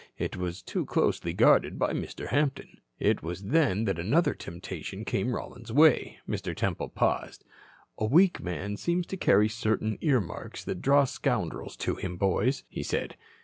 It was too closely guarded by Mr. Hampton. "It was then that another temptation came Rollins's way." Mr. Temple paused. "A weak man seems to carry certain earmarks that draw scoundrels to him, boys," he said.